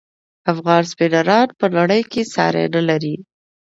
افغان سپینران په نړۍ کې ساری نلري.